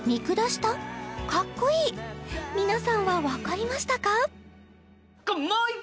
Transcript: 皆さんは分かりましたか？